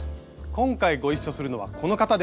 今回ご一緒するのはこの方です。